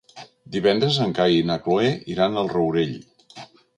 Divendres en Cai i na Cloè iran al Rourell.